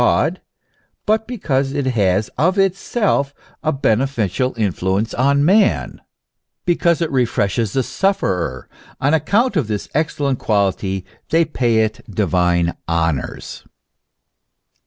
271 but because it has of itself a beneficial influence on man, because it refreshes the sufferer ; on account of this excellent quality they pay it divine honours.